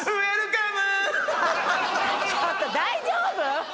ちょっと大丈夫？